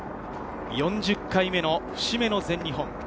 ４０回目の節目の全日本。